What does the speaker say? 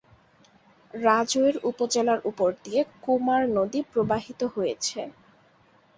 রাজৈর উপজেলার উপর দিয়ে কুমার নদী প্রবাহিত হয়েছে।